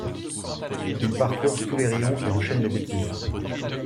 Ils parcourent tous les rayons et enchaînent les bêtises.